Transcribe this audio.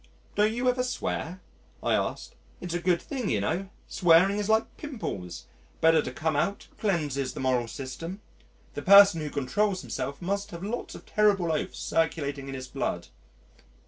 "Don't you ever swear?" I asked. "It's a good thing you know, swearing is like pimples, better to come out, cleanses the moral system. The person who controls himself must have lots of terrible oaths circulating in his blood."